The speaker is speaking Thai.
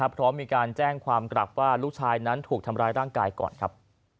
พร้อมมีการแจ้งความกลับว่าลูกชายนั้นถูกทำร้ายร่างกายก่อนครับ